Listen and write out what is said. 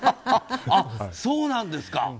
あ、そうなんですか。